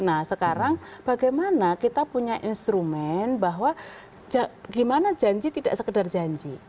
nah sekarang bagaimana kita punya instrumen bahwa gimana janji tidak sekedar janji